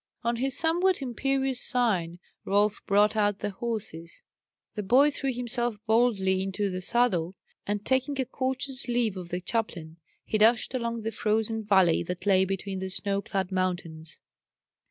On his somewhat imperious sign Rolf brought out the horses. The boy threw himself boldly into the saddle, and taking a courteous leave of the chaplain, he dashed along the frozen valley that lay between the snow clad mountains.